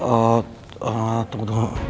eh eh tunggu tunggu